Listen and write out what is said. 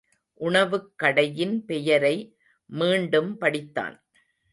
உணவுக் கடையின் பெயரை மீண்டும் படித்தான்.